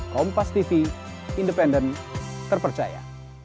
kompas tv independen terpercaya